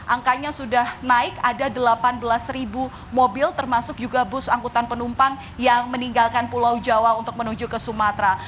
angkanya sudah naik ada delapan belas mobil termasuk juga bus angkutan penumpang yang meninggalkan pulau jawa untuk menuju ke sumatera